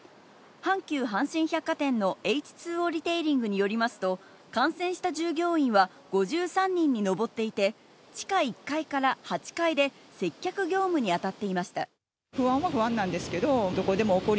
阪急阪神百貨店のＨ２Ｏリテイリングによりますと、感染した従業員は５３人に上っていて地下１階から８階で接客業務に当たっていました。